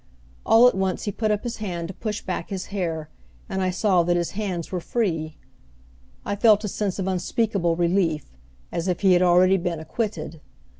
All at once he put up his hand to push back his hair, and I saw that his hands were free. I felt a sense of unspeakable relief, as if he had already been acquitted.